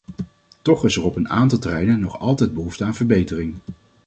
Toch is er op een aantal terreinen nog altijd behoefte aan verbetering.